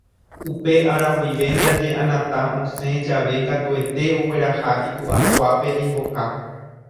Upe ára guive ndaje Anata osẽ jave katuete ogueraha iku'akuápe imboka